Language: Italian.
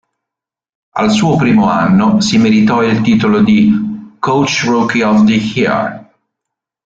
Al suo primo anno si meritò il titolo di "Coach Rookie of the Year".